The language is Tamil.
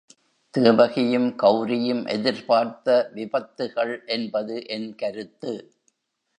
தேவகியும் கெளரியும் எதிர்பார்த்த விபத்து கள் என்பது என் கருத்து.